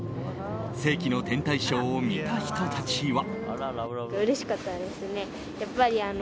世紀の天体ショーを見た人たちは。